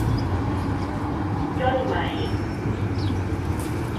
ย่นไหม